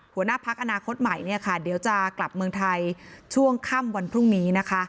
หัวหน้าพักอนาคตใหม่เนี่ยค่ะเดี๋ยวจะกลับเมืองไทยช่วงค่ำวันพรุ่งนี้นะคะ